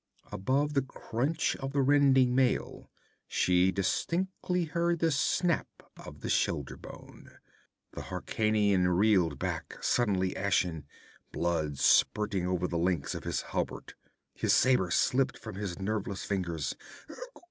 Above the crunch of the rending mail, she distinctly heard the snap of the shoulder bone. The Hyrkanian reeled back, suddenly ashen, blood spurting over the links of his hauberk; his saber slipped from his nerveless fingers.